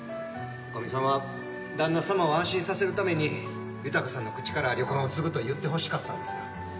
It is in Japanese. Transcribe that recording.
女将さんは旦那様を安心させるために裕さんの口から旅館を継ぐと言ってほしかったんですよ。